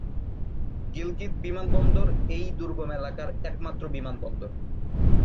গিলগিত বিমানবন্দর এই দুর্গম এলাকার একমাত্র বিমানবন্দর।